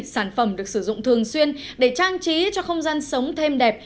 sản phẩm được sử dụng thường xuyên để trang trí cho không gian sống thêm đẹp